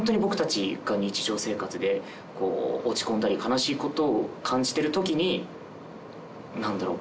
落ち込んだり悲しい事を感じてる時になんだろう